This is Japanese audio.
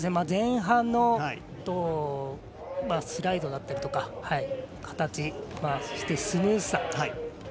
前半のスライドだったりとか形そしてスムーズさ。